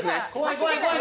怖い、怖い。